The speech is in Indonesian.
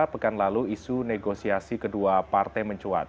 pekan lalu isu negosiasi kedua partai mencuat